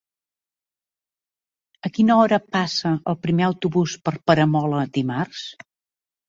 A quina hora passa el primer autobús per Peramola dimarts?